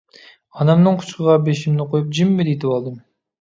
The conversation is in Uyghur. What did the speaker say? ئانامنىڭ قۇچىقىغا بېشىمنى قويۇپ جىممىدە يېتىۋالدىم.